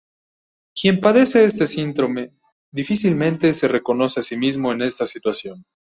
Quien padece este síndrome difícilmente se reconoce a sí mismo en esta situación.